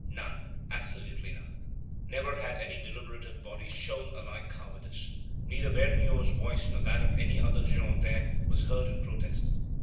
None, absolutely none. Never has any deliberative body shown a like cowardice. Neither Vergniaud's voice nor that of any other Girondin was heard in protest.